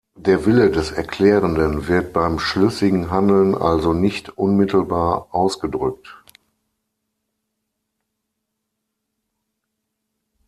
Der Wille des Erklärenden wird beim schlüssigen Handeln also nicht unmittelbar ausgedrückt.